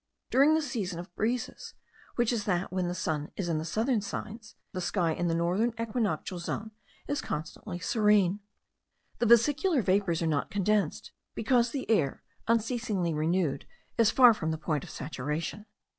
During this season of breezes, which is that when the sun is in the southern signs, the sky in the northern equinoctial zone is constantly serene. The vesicular vapours are not condensed, because the air, unceasingly renewed, is far from the point of saturation.